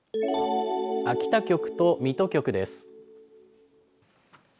秋田局と水戸局です。